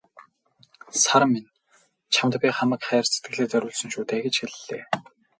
"Саран минь чамд би хамаг хайр сэтгэлээ зориулсан шүү дээ" гэж хэллээ.